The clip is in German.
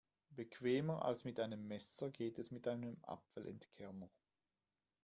Bequemer als mit einem Messer geht es mit einem Apfelentkerner.